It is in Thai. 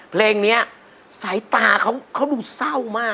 เพราะว่าเพราะว่าเพราะ